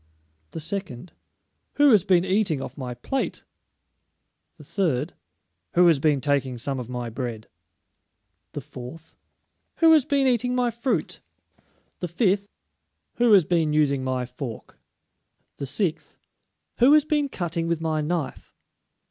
The second, "Who has been eating off my plate?" The third, "Who has been taking some of my bread?" The fourth, "Who has been eating my fruit?" The fifth, "Who has been using my fork?" The sixth, "Who has been cutting with my knife?"